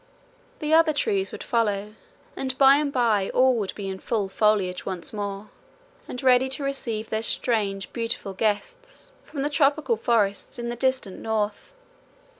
The other trees would follow, and by and by all would be in full foliage once more, and ready to receive their strange beautiful guests from the tropical forests in the distant north.